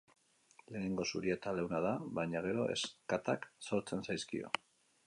Lehenengo zuria eta leuna da, baina gero ezkatak sortzen zaizkio.